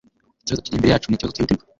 Ikibazo kiri imbere yacu nikibazo cyihutirwa.